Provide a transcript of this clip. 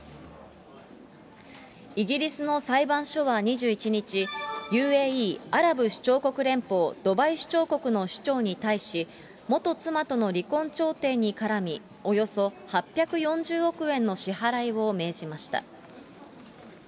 イギリスの裁判所は２１日、ＵＡＥ・アラブ首長国連邦ドバイ首長国の首長に対し、元妻との離婚調停に絡み、およそ８４０億円の支払いを命じました。